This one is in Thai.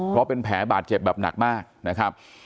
เพราะเป็นแผลบาดเจ็บแบบหนักมากนะครับ